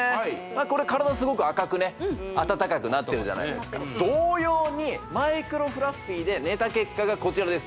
これ体すごく赤くね温かくなってるじゃないですか同様にマイクロフラッフィーで寝た結果がこちらです